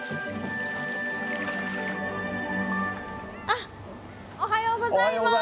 あおはようございます。